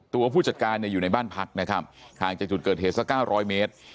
ผู้จัดการเนี่ยอยู่ในบ้านพักนะครับห่างจากจุดเกิดเหตุสัก๙๐๐เมตร